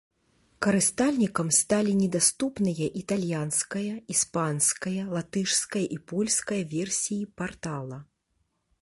Карыстальнікам сталі недаступныя італьянская, іспанская, латышская і польская версіі партала.